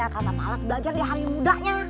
karena malas belajar di hari mudanya